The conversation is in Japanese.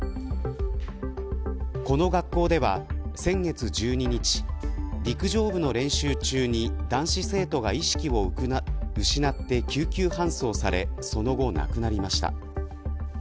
この学校では、先月１２日陸上部の練習中に男子生徒が意識を失って救急搬送されその後、亡くなりました。